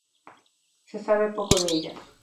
Se sabe poco de ellas.